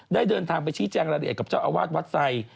เดินทางไปชี้แจงรายละเอียดกับเจ้าอาวาสวัดไซค์